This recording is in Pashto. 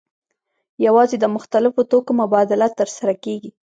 یوازې د مختلفو توکو مبادله ترسره کیږي.